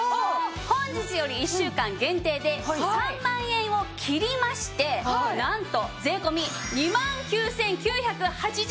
本日より１週間限定で３万円を切りましてなんと税込２万９９８０円！